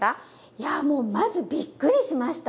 いやもうまずびっくりしました。